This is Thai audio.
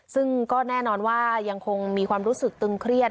ซึ่งก็แน่นอนว่ายังคงมีความรู้สึกตึงเครียด